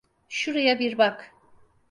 Şuraya bir bak.